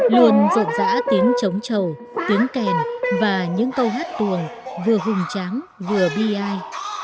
luôn rộn rã tiếng trống trầu tiếng kèn và những câu hát tuồng vừa hùng tráng vừa bi ai